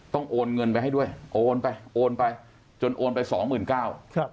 โอนเงินไปให้ด้วยโอนไปโอนไปจนโอนไปสองหมื่นเก้าครับ